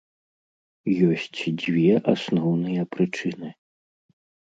Ёсць дзве асноўныя прычыны.